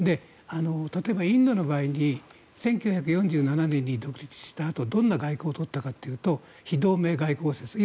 例えばインドの場合に１９４７年に独立したあとどんな外交を取ったかというと非同盟外交政策です。